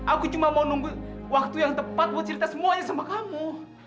aku cuma mau nunggu waktu yang tepat buat cerita semuanya sama kamu